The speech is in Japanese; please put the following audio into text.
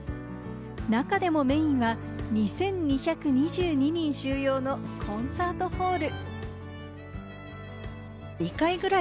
中でもメインは２２２２人収容のコンサートホール。